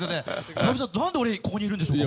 小籔さん何で俺ここにいるんでしょうか？